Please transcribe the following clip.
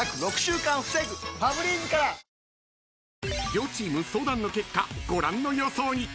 ［両チーム相談の結果ご覧の予想に］